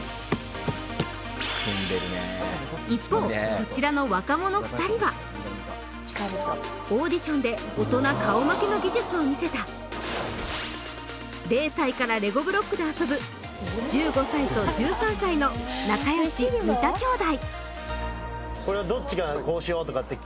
一方こちらの若者２人はオーディションで大人顔負けの技術を見せた０歳からレゴブロックで遊ぶ１５歳と１３歳の仲よし三田兄弟